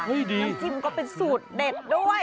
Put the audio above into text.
น้ำจิ้มก็เป็นสูตรเด็ดด้วย